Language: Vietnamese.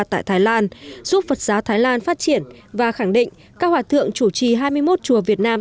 tại thái lan giúp phật giáo thái lan phát triển và khẳng định các hòa thượng chủ trì hai mươi một chùa việt nam